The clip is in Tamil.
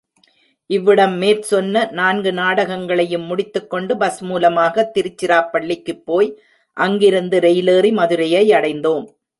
இவ்விடம் மேற்சொன்ன நான்கு நாடகங்களையும் முடித்துக் கொண்டு, பஸ் மூலமாகத் திருச்சிராப்பள்ளிக்குப் போய் அங்கிருந்து ரெயிலேரி மதுரையை அடைந்தோம்.